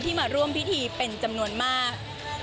มาร่วมพิธีเป็นจำนวนมาก